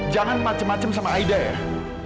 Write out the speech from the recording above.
jangan macem macem sama aida ya